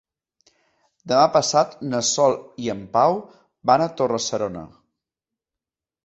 Demà passat na Sol i en Pau van a Torre-serona.